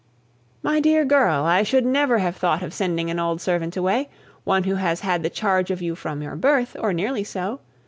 "My dear girl, I should never have thought of sending an old servant away, one who has had the charge of you from your birth, or nearly so.